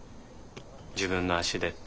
「自分の足で」って。